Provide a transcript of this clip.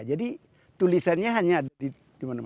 jadi tulisannya hanya di